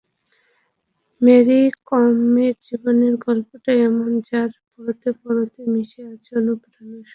Mary কমের জীবনের গল্পটাই এমন, যার পরতে পরতে মিশে আছে অনুপ্রেরণার রসদ।